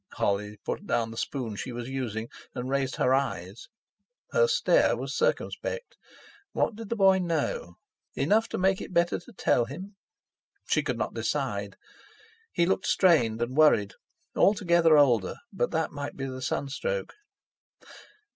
Holly put down the spoon she was using, and raised her eyes. Her stare was circumspect. What did the boy know? Enough to make it better to tell him? She could not decide. He looked strained and worried, altogether older, but that might be the sunstroke.